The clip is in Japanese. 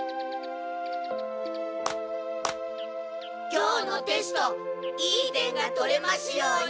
今日のテストいい点が取れますように。